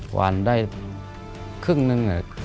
วานได้ครึ่งนึง